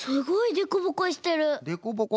でこぼこ？